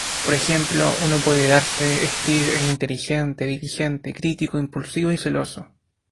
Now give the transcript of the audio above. Por ejemplo, uno puede darse "Steve es inteligente, diligente, crítico, impulsivo y celoso".